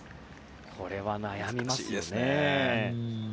これは悩みますね。